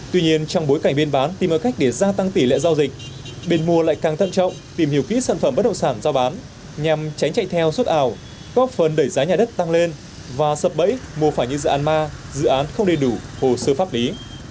tuy nhiên trong bối cảnh biên bán tìm cách để gia tăng tỷ lệ giao dịch biên mùa lại càng thân trọng tìm hiểu kỹ sản phẩm bất động sản giao bán nhằm tránh chạy theo suốt ảo có phần đẩy giá nhà đất tăng lên và sập bẫy mua phải như dự án ma dự án không đầy đủ hồ sơ pháp lý